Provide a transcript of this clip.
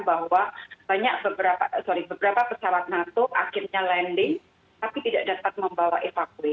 bahwa banyak beberapa pesawat nato akhirnya landing tapi tidak dapat membawa evakuasi